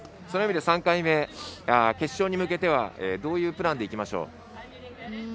そういう意味で決勝に向けてはどういうプランでいきましょう？